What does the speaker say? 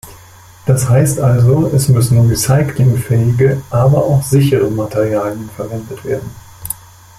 Das heißt also, es müssen recyclingfähige, aber auch sichere Materialien verwendet werden.